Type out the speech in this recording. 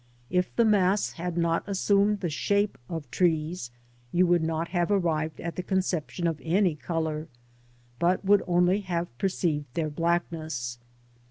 If the mass had not assumed the shape of trees you would not have arrived at the conception of any colour, but would only have per ceived their blackness.